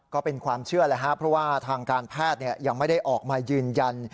ก็เป็นความเชื่อแหละครับเพราะว่าทางการแพทย์ยังไม่ได้ออกมายืนยัน